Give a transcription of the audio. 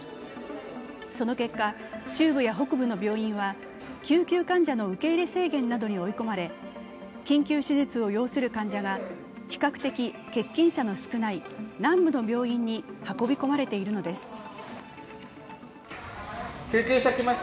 その結果、中部や北部の病院は救急患者の受け入れ制限などに追い込まれ緊急手術を要する患者が比較的欠勤社の少ない南部の病院に運び込まれているのです。